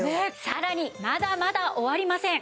さらにまだまだ終わりません！